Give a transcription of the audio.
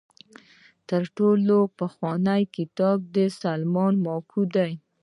تر ټولو پخوانی کتاب د سلیمان ماکو دی.